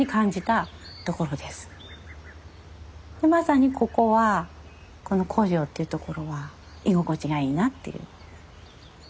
でまさにここはこの湖上というところは居心地がいいなっていう。